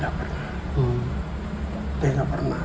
dia tidak pernah